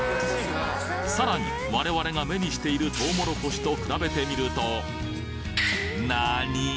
さらに我々が目にしているとうもろこしと比べてみると何ぃ！？